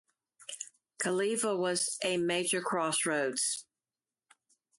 Calleva was a major crossroads.